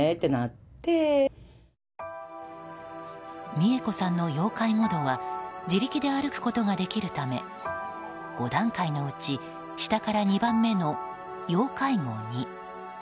三恵子さんの要介護度は自力で歩くことができるため５段階のうち下から２番目の要介護２。